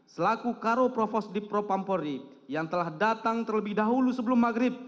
selaku karo profos dipropampori yang telah datang terlebih dahulu sebelum maghrib